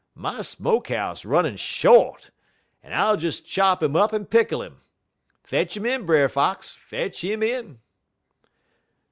My smoke 'ouse runnin' short, en I'll des chop 'im up en pickle 'im. Fetch 'im in, Brer Fox! fetch 'im in!'